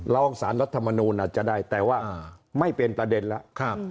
ร้องสารรัฐมนูลอาจจะได้แต่ว่าไม่เป็นประเด็นแล้ว